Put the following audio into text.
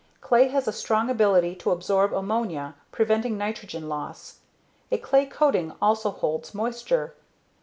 Clay has a strong ability to absorb ammonia, preventing nitrogen loss. A clay coating also holds moisture.